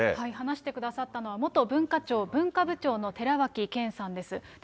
話してくださったのは、元文化庁文化部長の寺脇研さんです。